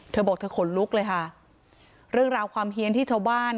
เธอบอกเธอขนลุกเลยค่ะเรื่องราวความเฮียนที่ชาวบ้าน